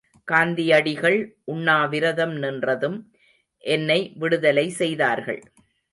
காந்தியடிகள் உண்ணாவிரதம் நின்றதும் என்னை விடுதலை செய்தார்கள்.